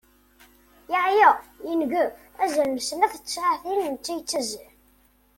Yeɛya, yengef, azal n snat n tsaɛtin netta yettazzal.